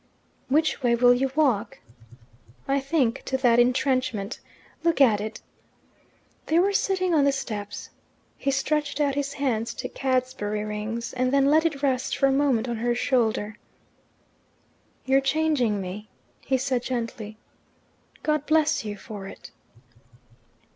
"Which way will you walk?" "I think to that entrenchment. Look at it." They were sitting on the steps. He stretched out his hand to Cadsbury Rings, and then let it rest for a moment on her shoulder. "You're changing me," he said gently. "God bless you for it."